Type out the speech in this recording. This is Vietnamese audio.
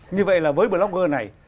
như vậy là với blogger này